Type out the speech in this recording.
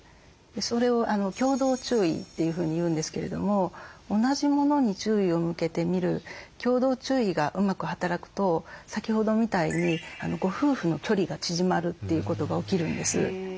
それを共同注意というふうに言うんですけれども同じ物に注意を向けて見る共同注意がうまく働くと先ほどみたいにご夫婦の距離が縮まるということが起きるんです。